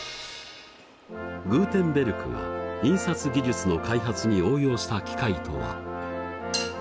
グーテンベルクが印刷技術の開発に応用した機械とは。